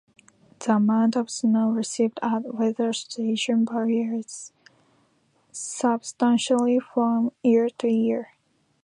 The amount of snow received at weather stations varies substantially from year to year.